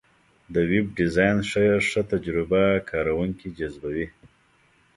د ویب ډیزاین ښه تجربه کارونکي جذبوي.